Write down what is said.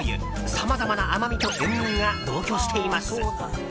さまざまな甘みと塩みが同居しています。